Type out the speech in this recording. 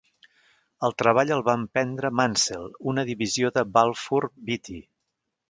El treball el va emprendre Mansell, una divisió de Balfour Beatty.